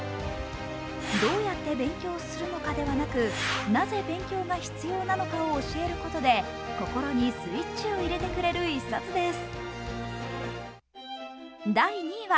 どうやって勉強するのかではなくなぜ勉強が必要なのかを教えることで心にスイッチを入れてくれる一冊です。